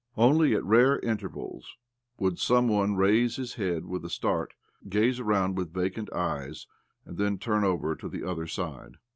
Only at rare intervals would some one raise his head with a start, gaze around him with vacant eyes, and then turn over to the other side.